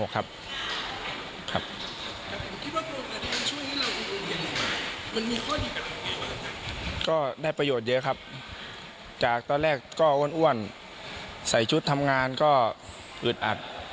ก็ได้ประโยชน์เยอะครับจากตอนแรกก็อ้วนใส่ชุดทำงานก็อึดอัด